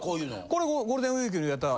これゴールデンウィークに植えた。